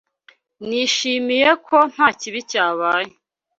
Nishimiye ko nta kibi cyabaye.